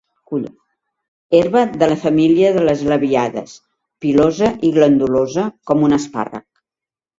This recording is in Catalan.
Herba de la família de les labiades, pilosa i glandulosa, com un espàrrec.